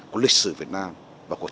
của lịch sử việt nam và của